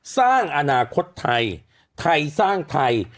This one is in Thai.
สร้างอนาคตไทยไทยสร้างไทย